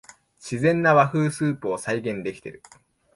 自然な和風スープを再現できてる